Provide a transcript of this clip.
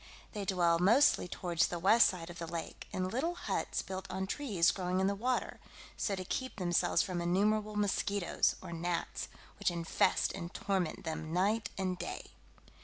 They dwell mostly towards the west side of the lake, in little huts built on trees growing in the water; so to keep themselves from innumerable mosquitoes, or gnats, which infest and torment them night and day.